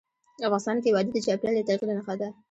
افغانستان کې وادي د چاپېریال د تغیر نښه ده.